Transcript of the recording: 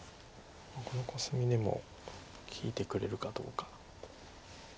このコスミでも利いてくれるかどうか。